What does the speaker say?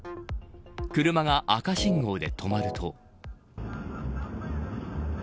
車が赤信号で止まると。